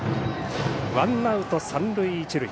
ワンアウト三塁一塁。